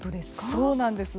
そうなんです。